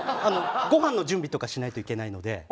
ごはんの準備とかしないといけないので。